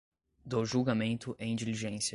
do julgamento em diligência